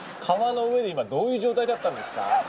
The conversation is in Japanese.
川の上で今どういう状態だったんですか。